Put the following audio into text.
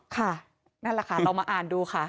ค่ะนั่นแหละค่ะเรามาอ่านดูค่ะ